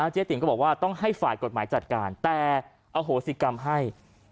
เจ๊ติ๋มก็บอกว่าต้องให้ฝ่ายกฎหมายจัดการแต่อโหสิกรรมให้